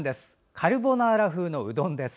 カルボナーラ風のうどんです。